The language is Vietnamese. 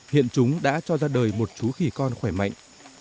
hiện chúng đã cho ra đời một chú khỉ con khỏe mạnh